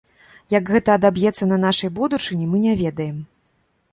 Як гэта адаб'ецца на нашай будучыні, мы не ведаем.